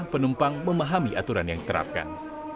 penumpang memahami aturan yang diterapkan